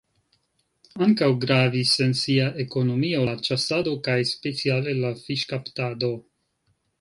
Ankaŭ gravis en sia ekonomio la ĉasado kaj speciale la fiŝkaptado.